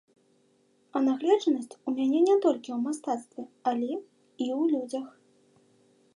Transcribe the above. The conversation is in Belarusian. А нагледжанасць у мяне не толькі ў мастацтве, але і і ў людзях.